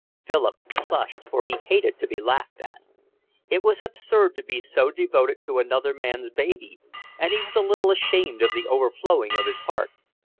Philip flushed, for he hated to be laughed at. It was absurd to be so devoted to another man's baby, and he was a little ashamed of the overflowing of his heart.